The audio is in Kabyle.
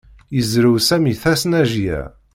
Yezrew Sami tasnajya.